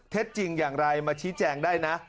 จริงอย่างไรมาชี้แจงได้นะ